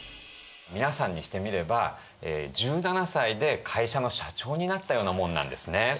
皆さんにしてみれば１７歳で会社の社長になったようなもんなんですね。